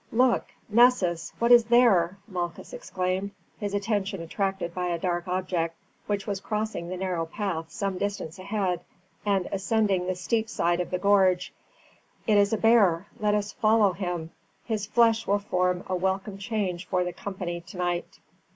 "Look, Nessus! what is there?" Malchus exclaimed, his attention attracted by a dark object which was crossing the narrow path some distance ahead and ascending the steep side of the gorge. "It is a bear, let us follow him; his flesh will form a welcome change for the company tonight."